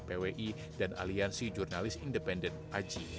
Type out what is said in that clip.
pwi dan aliansi jurnalis independen aji